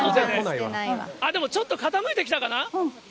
でもちょっと傾いてきたかな？